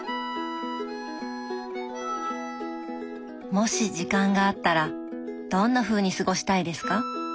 もし時間があったらどんなふうに過ごしたいですか？